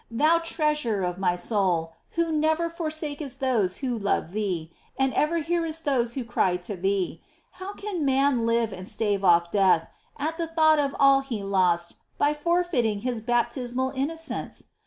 Thou Treasure of my soul, Who never forsakest those who love Thee, and ever hearest those who cry to Thee — ^how can man live and stave on death, at the thought of all he lost by forfeiting his baptismal innocence